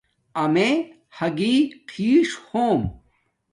امیے ھاگی قیݽ ہوم